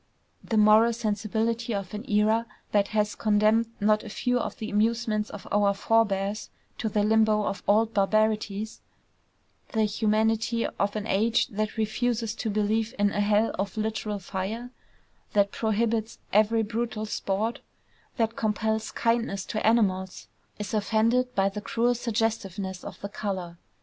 The moral sensibility of an era that has condemned not a few of the amusements of our forebears to the limbo of old barbarities, the humanity of an age that refuses to believe in a hell of literal fire, that prohibits every brutal sport, that compels kindness to animals, is offended by the cruel suggestiveness of the color.